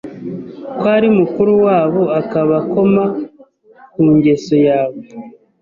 ko ari mukuru wabo akaba akoma ku ngeso yawe